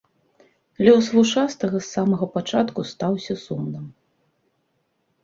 Лёс вушастага з самага пачатку стаўся сумным.